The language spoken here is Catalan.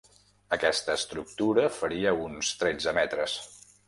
Aquesta estructura faria uns tretze metres.